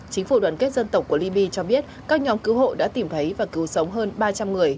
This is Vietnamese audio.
chính phủ đoàn kết dân tộc của libya cho biết các nhóm cứu hộ đã tìm thấy và cứu sống hơn ba trăm linh người